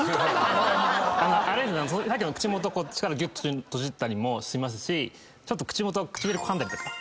さっきの口元ぎゅっと閉じたりもしますしちょっと口元唇かんだりとか。